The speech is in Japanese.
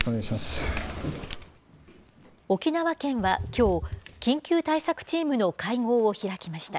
沖縄県はきょう、緊急対策チームの会合を開きました。